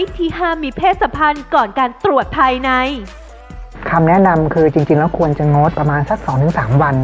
คำแนะนำคือจริงแล้วควรจะงดประมาณสัก๒๓วัน